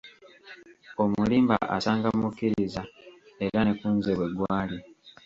Omulimba asanga mukkiriza, era ne ku nze bwe gwali.